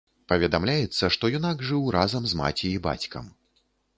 Паведамляецца, што юнак жыў разам з маці і бацькам.